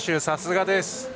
さすがです。